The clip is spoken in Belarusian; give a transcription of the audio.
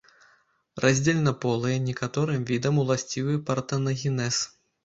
Раздзельнаполыя, некаторым відам уласцівы партэнагенез.